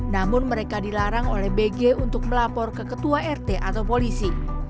namun mereka dilarang oleh bg untuk melapor ke ketua rt atau polisi